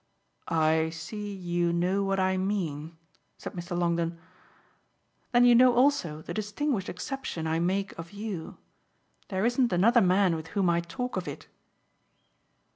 "I see you know what I mean," said Mr. Longdon. "Then you know also the distinguished exception I make of you. There isn't another man with whom I'd talk of it."